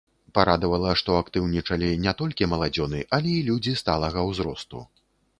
Парадавала, што актыўнічалі не толькі маладзёны, але і людзі сталага ўзросту.